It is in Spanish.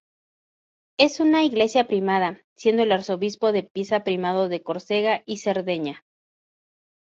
Es una iglesia Primada, siendo el Arzobispo de Pisa Primado de Córcega y Cerdeña.